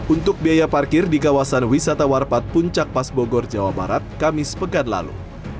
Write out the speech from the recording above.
untuk biaya parkir di kawasan wisata warpat puncak pas bogor jawa barat kamis pekan lalu